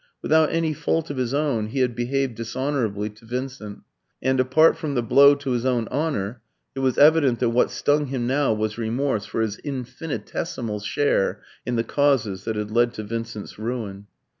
Without any fault of his own, he had behaved dishonourably to Vincent; and apart from the blow to his own honour, it was evident that what stung him now was remorse for his infinitesimal share in the causes that had led to Vincent's ruin.